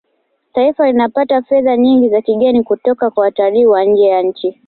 taifa linapata fedha nyingi za kigeni kutoka kwa watalii wa nje ya nchi